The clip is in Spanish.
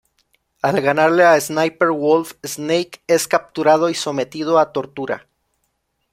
Al ganarle a Sniper wolf, snake es capturado y sometido a tortura.